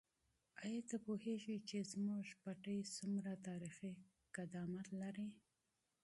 آیا ته پوهېږې چې زموږ پټی څومره تاریخي قدامت لري؟